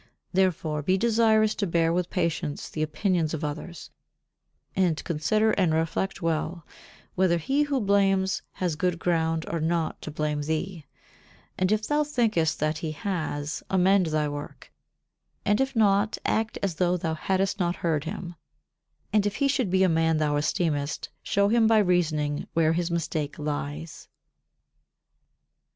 Therefore be desirous to bear with patience the opinions of others, and consider and reflect well whether he who blames has good ground or not to blame thee, and if thou thinkest that he has, amend thy work; and if not, act as though thou hadst not heard him, and if he should be a man thou esteemest show him by reasoning where his mistake lies.